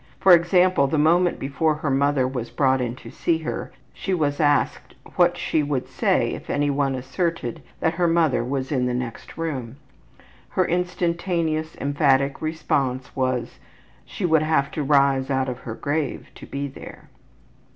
For example, the moment before her mother was brought in to see her, she was asked what she would say if anyone asserted that her mother was in the next room. Her instantaneous, emphatic response was, ``She would have to rise out of her grave to be there.''